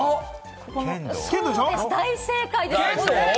大正解です。